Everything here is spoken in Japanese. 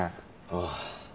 ああ。